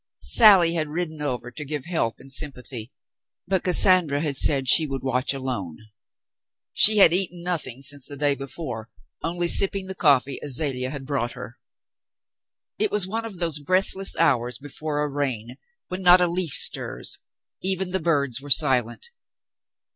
Sally had ridden over to give help and sympathy, but Cassandra had said she would watch alone. She had eaten nothing since the day before, only sipping the coffee Azalea had brought her. It was one of those breathless hours before a rain when not a leaf stirs ; even the birds were silent.